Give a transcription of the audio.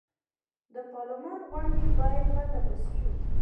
د پارلمان غونډې باید پر له پسې وي.